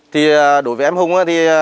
thì đối với em hùng